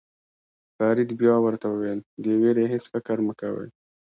فرید بیا ورته وویل د وېرې هېڅ فکر مه کوئ.